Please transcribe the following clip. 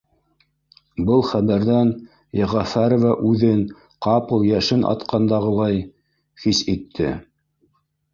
Был хәбәрҙән Йәғәфәрова үҙен ҡапыл йәшен атҡанда- ғылай хис итте